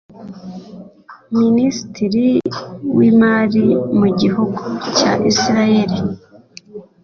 Minisitiri w’imari mu gihugu cya Israeli